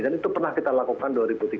dan itu pernah kita lakukan dua ribu tiga belas